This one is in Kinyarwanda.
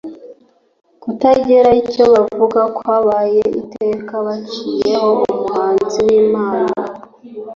Kutagira icyo bavuga kwabaye iteka bacinyeho umuhanuzi w'Imana